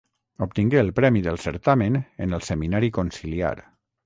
Obtingué el premi del certamen en el Seminari Conciliar.